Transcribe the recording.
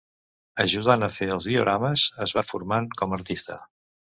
Ajudant a fer els diorames es va formant com a artista.